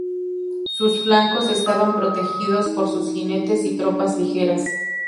Sus flancos estaban protegidos por sus jinetes y tropas ligeras.